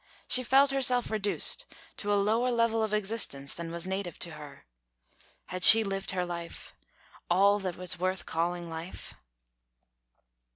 She felt herself reduced to a lower level of existence than was native to her. Had she lived her life all that was worth calling life?